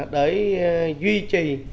để duy trì